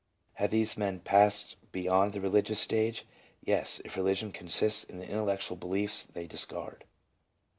Have these men passed beyond the religious stage? Yes, if religion consists in the intellectual beliefs they discard.